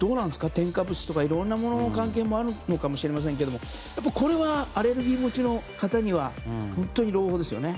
添加物とかの関係もあるのかもしれませんがこれは、アレルギー持ちの方には本当に朗報ですよね。